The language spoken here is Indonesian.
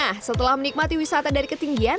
nah setelah menikmati wisata dari ketinggian